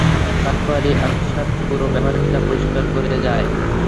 তারপরই অকস্মাৎ পুরো ব্যাপারটা পরিষ্কার হয়ে যায়।